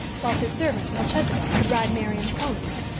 While his servant, Melchisedek, could ride Marian's pony.